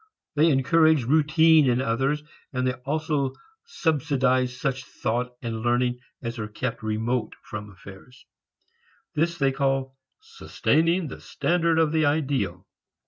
They encourage routine in others, and they also subsidize such thought and learning as are kept remote from affairs. This they call sustaining the standard of the ideal.